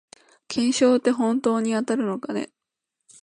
懸賞ってほんとに当たるのかね